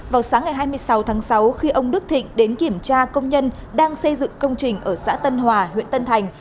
vào sáng ngày hai mươi sáu tháng sáu khi ông đức thịnh đến kiểm tra công nhân đang xây dựng công trình ở xã tân hòa huyện tân thành